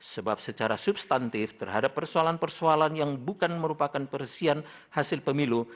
sebab secara substantif terhadap persoalan persoalan yang bukan merupakan persian hasil pemilu